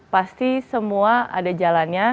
pasti semua ada jalannya